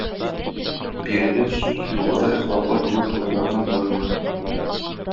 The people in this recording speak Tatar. Биредә сүз югары әхлаклы булу турында гына бармый.